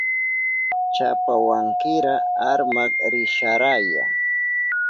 Chapawankira armak risharaya.